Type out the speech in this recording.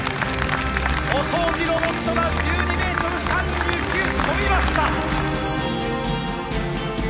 お掃除ロボットが１２メートル３９跳びました。